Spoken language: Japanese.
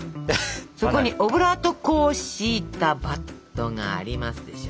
そこにオブラート粉を敷いたバットがありますでしょ。